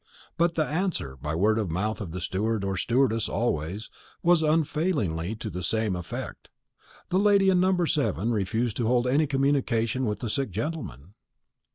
But the answer by word of mouth of the steward or stewardess always was unfailingly to the same effect: the lady in number 7 refused to hold any communication with the sick gentleman.